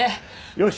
よし！